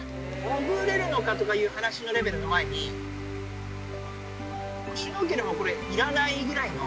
潜れるのかとかいう話のレベルの前に、シュノーケルもこれ、いらないぐらいの。